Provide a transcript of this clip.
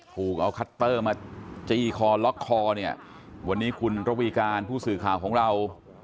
ถูกเอาคัตเตอร์มาจี้คอล็อกคอเนี่ยวันนี้คุณระวีการผู้สื่อข่าวของเรา